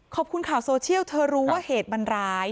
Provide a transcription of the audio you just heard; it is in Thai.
ขอบคุณข่าวโซเชียลเธอรู้ว่าเหตุมันร้าย